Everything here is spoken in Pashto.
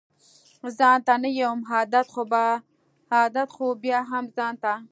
ځانته نه يم عادت خو بيا هم ځانته يم